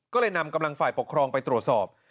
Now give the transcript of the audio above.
ก็เลยนำกำลังฝ่ายปกครองไปตรวจสอบ